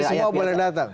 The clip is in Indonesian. jadi semua boleh datang